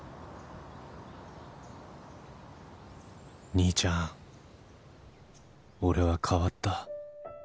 兄ちゃん俺は変わった